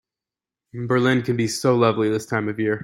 Berlin can be so lovely this time of year.